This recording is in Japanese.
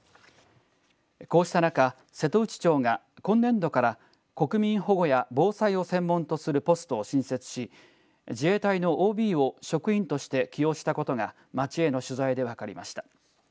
こうした中、瀬戸内町が今年度から、国民保護や防災を専門とするポストを新設し自衛隊のＯＢを職員として起用したことが町への取材で分かりました。